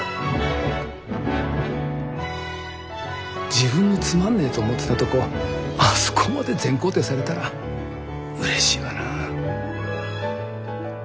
自分のつまんねえと思ってたとこあそこまで全肯定されたらうれしいわな。